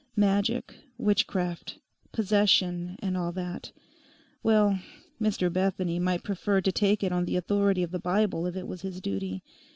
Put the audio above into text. Magic, witchcraft, possession, and all that—well, Mr Bethany might prefer to take it on the authority of the Bible if it was his duty.